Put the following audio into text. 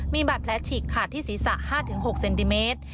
มีบาดแผลฉีกขาดที่ศีรษะ๕๖เซนติเมตร